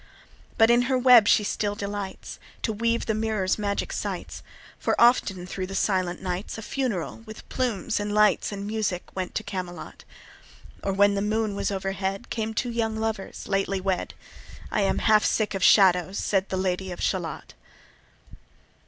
But in her web she still delights To weave the mirror's magic sights, For often thro' the silent nights A funeral, with plumes and lights And music, went to Camelot: Or when the moon was overhead, Came two young lovers lately wed; "I am half sick of shadows," said The Lady of Shalott.